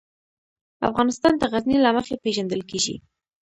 افغانستان د غزني له مخې پېژندل کېږي.